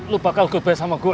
lu bakal gobek sama gue